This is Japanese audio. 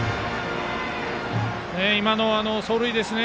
今のは走塁ですね。